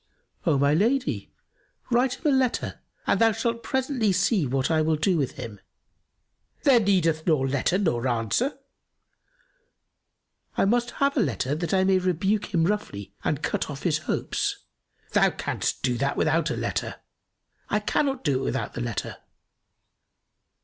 "O my lady, write him a letter and thou shalt presently see what I will do with him." "There needeth nor letter nor answer." "I must have a letter that I may rebuke him roughly and cut off his hopes." "Thou canst do that without a letter." "I cannot do it without the letter."